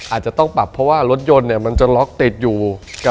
อาจจะต้องปรับเพราะว่ารถยนต์มันจะล็อกติดอยู่